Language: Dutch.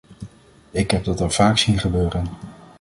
Ik heb dat al zo vaak zien gebeuren.